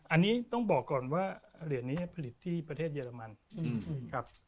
อันนี้ต้องบอกก่อนว่าเหรียญนี้ผลิตที่ประเทศเยอรมันครับ